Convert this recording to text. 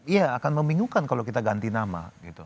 iya akan membingungkan kalau kita ganti nama